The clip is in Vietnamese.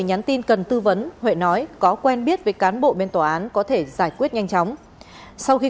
nhắn tin cần tư vấn huệ nói có quen biết với cán bộ bên tòa án có thể giải quyết nhanh chóng sau khi